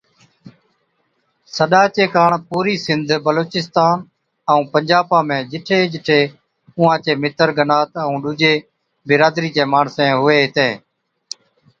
سڏا چي ڪاڻ پوري سنڌ، بلوچستان ائُون پنجابا ۾ جِٺي جِٺي اُونھان چي متر گنات ائُون ڏُوجِي برادري چين ماڻسين ھُوي ھِتين